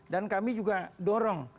dan kami juga dorong